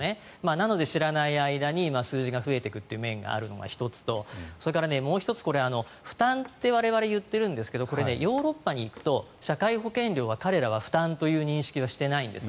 なので知らない間に数字が増えていくという面があるのが１つとそれからもう１つ、負担って我々はいっていますがヨーロッパに行くと社会保険料は彼らは負担という認識はしていないんです。